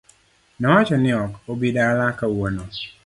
Nowacho ni ok obi dala kawuono